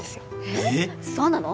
えっそうなの？